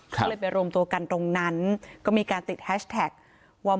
ก็เลยไปรวมตัวกันตรงนั้นก็มีการติดแฮชแท็กว่า